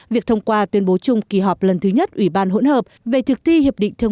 việc thông qua tuyên bố chung kỳ họp lần thứ nhất ủy ban hỗn hợp về thực thi hiệp định thương